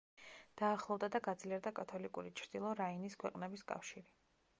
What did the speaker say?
დაახლოვდა და გაძლიერდა კათოლიკური, ჩრდილო რაინის ქვეყნების კავშირი.